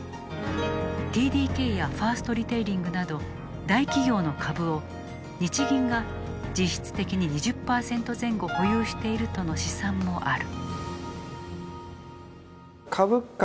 ＴＤＫやファーストリテイリングなど大企業の株を日銀が実質的に２０％前後保有しているとの試算もある。